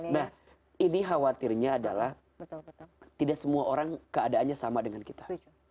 nah ini khawatirnya adalah tidak semua orang keadaannya sama dengan kita